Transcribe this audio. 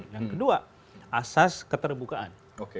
yang kedua asas keterbukaan